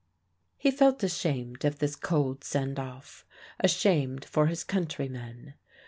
He felt ashamed of this cold send off; ashamed for his countrymen.